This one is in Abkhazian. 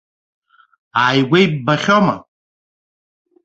Ааигәа иббахьоума?